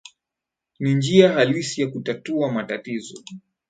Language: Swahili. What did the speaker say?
ni njia halisi ya kutatua matatizo